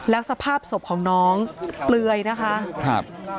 แล้วสภาพศพของน้องเปลือยนะคะครับ